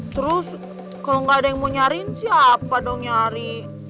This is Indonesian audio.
terus kalau nggak ada yang mau nyariin siapa dong nyari